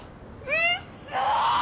ウソ！？